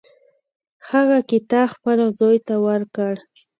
هغه کتاب خپل زوی ته ورکړ.